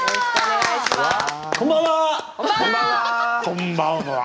こんばんは！